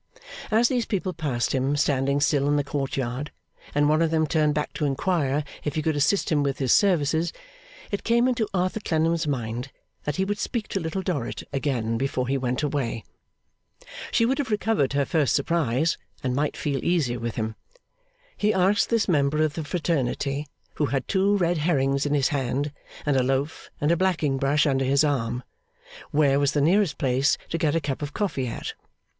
As these people passed him standing still in the court yard, and one of them turned back to inquire if he could assist him with his services, it came into Arthur Clennam's mind that he would speak to Little Dorrit again before he went away. She would have recovered her first surprise, and might feel easier with him. He asked this member of the fraternity (who had two red herrings in his hand, and a loaf and a blacking brush under his arm), where was the nearest place to get a cup of coffee at.